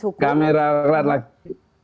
hukum kamera kelar lagi